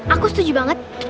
aku setuju banget